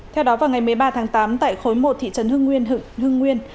theo đó vào ngày một mươi ba tháng tám tại khối một thị trấn hưng nguyên